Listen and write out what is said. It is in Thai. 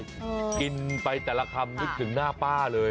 กินไปแต่ละคำนึกถึงหน้าป้าเลย